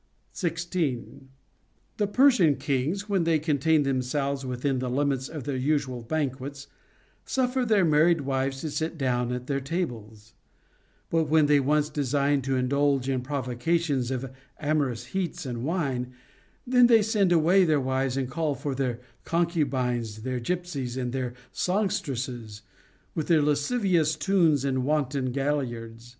16. The Persian kings, when they contain themselves within the limits of their usual banquets, suffer their mar ried wives to sit down at their tables ; bat when they once design to indulge the provocations of amorous heats and wine, then they send away their wives, and call for their concubines, their gypsies, and their songstresses, with their lascivious tunes and wanton galliards.